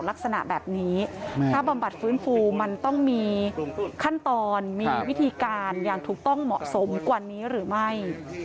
ลักษณะแบบนี้ถ้าบำบัดฟื้นฟูมันต้องมีขั้นตอนมีวิธีการอย่างถูกต้องเหมาะสมกว่านี้หรือไม่